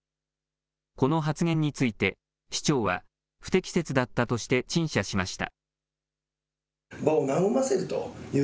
この発言について市長は不適切だったとして陳謝しました。